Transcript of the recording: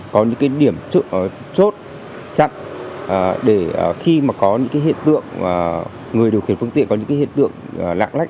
có những điểm chốt chặn để khi mà có những hiện tượng người điều khiển phương tiện có những hiện tượng lạng lách